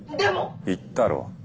言ったろ。